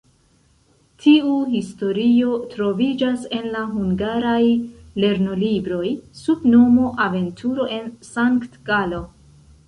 Tiu historio troviĝas en la hungaraj lernolibroj sub nomo "Aventuro en Sankt-Galo".